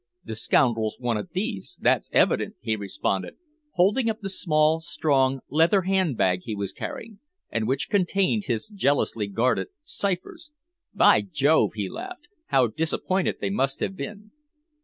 "The scoundrels wanted these, that's evident," he responded, holding up the small, strong, leather hand bag he was carrying, and which contained his jealously guarded ciphers. "By Jove!" he laughed, "how disappointed they must have been!"